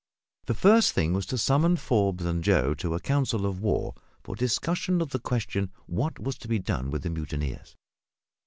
The first thing was to summon Forbes and Joe to a council of war for discussion of the question what was to be done with the mutineers.